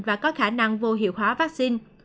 và có khả năng vô hiệu hóa vaccine